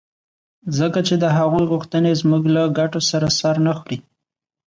ځکه چې د هغوی غوښتنې زموږ له ګټو سره سر نه خوري.